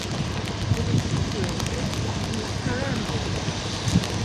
It is situated in the Curran building.